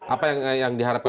apa yang diharapkan